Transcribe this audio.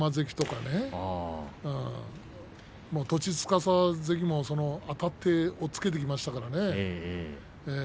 竹葉山関とか暁司関もあたって押っつけてきましたからね。